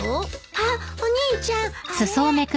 あっお兄ちゃんあれ！